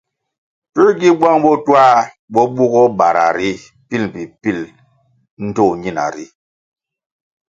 Puē gi bwang bo twā bo bugoh bara ri pil mbpi pil ndtoh ñina ri?